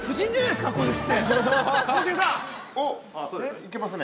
いけますね。